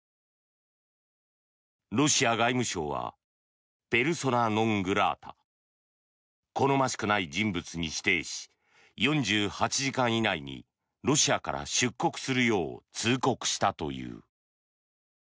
ロシア外務省はペルソナ・ノン・グラータ好ましくない人物に指定し４８時間以内にロシアから出国するよう通告したという。